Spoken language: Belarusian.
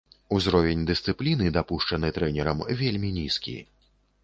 Узровень дысцыпліны, дапушчаны трэнерам, вельмі нізкі.